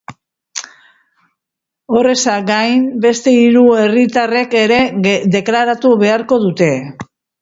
Horrez gain, beste hiru herritarrek ere deklaratu beharko dute.